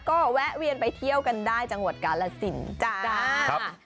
ก็แวะเวียนไปเที่ยวกันได้จังหวัดกาลสินจ้า